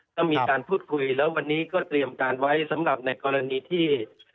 ก็มีการพูดคุยแล้ววันนี้ก็เตรียมการไว้สำหรับในกรณีที่